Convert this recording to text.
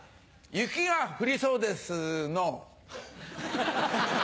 雪が降りそうでスノー。